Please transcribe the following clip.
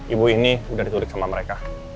ibu ini udah ditunjuk sama mereka